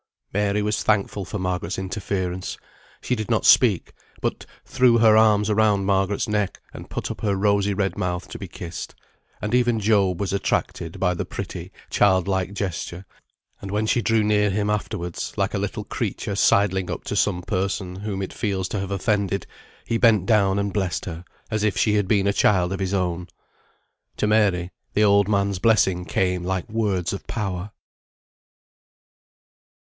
Mary was thankful for Margaret's interference. She did not speak, but threw her arms round Margaret's neck, and put up her rosy red mouth to be kissed; and even Job was attracted by the pretty, child like gesture; and when she drew near him, afterwards, like a little creature sidling up to some person whom it feels to have offended, he bent down and blessed her, as if she had been a child of his own. To Mary the old man's blessing came like words of power.